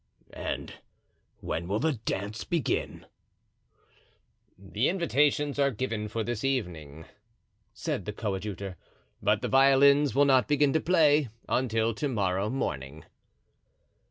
"And when will the dance begin?" "The invitations are given for this evening," said the coadjutor, "but the violins will not begin to play until to morrow morning."